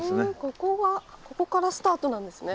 ここがここからスタートなんですね。